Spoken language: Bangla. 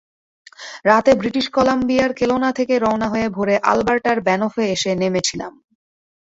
রাতে ব্রিটিশ কলাম্বিয়ার কেলোনা থেকে রওনা হয়ে ভোরে আলবার্টার ব্যানফে এসে নেমেছিলাম।